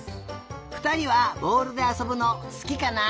ふたりはぼおるであそぶのすきかな？